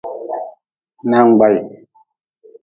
Nangbahi.